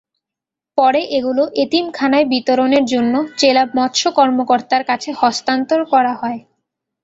পরে এগুলো এতিমখানায় বিতরণের জন্য জেলা মৎস্য কর্মকর্তার কাছে হস্তান্তর করা হয়।